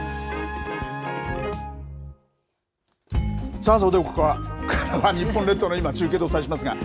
さあ、それではここからは、日本列島の今、中継でお伝えしますが。